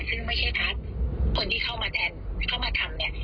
ซึ่งไม่ใช่พัฒน์คนที่เข้ามาทำเนี่ย